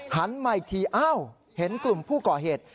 หันมาอีกทีอ้าวเห็นกลุ่มผู้ก่อเหตุ